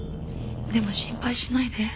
でも心配しないで。